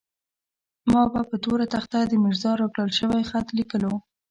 ما به پر توره تخته د ميرزا راکړل شوی خط ليکلو.